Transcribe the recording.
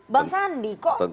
bang sandi kok